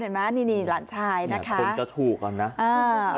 เห็นไหมนี่นี่หลานชายนะคะคนจะถูกอ่ะนะอ่า